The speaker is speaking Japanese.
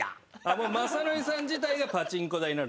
もう雅紀さん自体がパチンコ台になるって事ね。